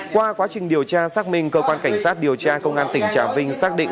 qua quá trình điều tra xác minh cơ quan cảnh sát điều tra công an tỉnh trà vinh xác định